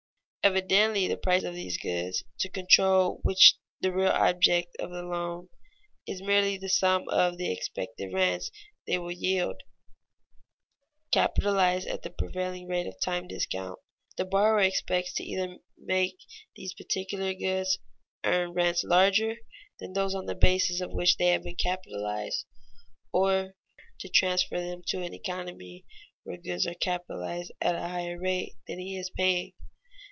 Evidently the price of these goods, to control which is the real object of the loan, is merely the sum of the expected rents they will yield, capitalized at the prevailing rate of time discount. The borrower expects either to make these particular goods earn rents larger than those on the basis of which they have been capitalized, or to transfer them to an economy where goods are capitalized at a higher rate than he is paying.